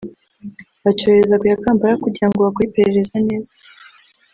bacyohereza ku ya Kampala kugira ngo bakore iperereza neza